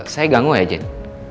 saya ganggu ya jen